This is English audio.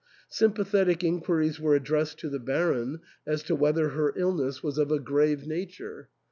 Sympathetic inquiries were ad dressed to the Baron as to whether her illness was of a 250 THE ENTAIL, grave nature.